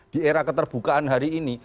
di era keterbukaan hari ini